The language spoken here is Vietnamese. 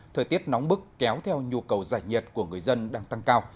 thời tiết nóng bức kéo theo nhu cầu giải nhiệt của người dân đang tăng cao